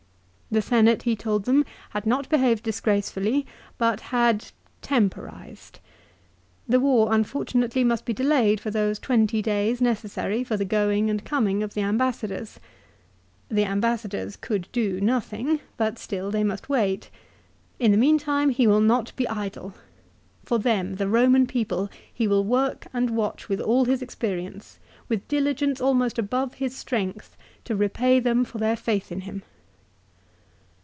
The Senate, he told them had not behaved disgracefully, but had, temporised. The war unfortunately must be delayed for those twenty days necessary for the going and coming of the ambassadors. The ambassadors could do nothing. But still they must wait. In the meantime he will not be idle. For them, the Eoman people, he will work and watch with all his experience, with diligence almost above his strength, to repay them for their faith in him.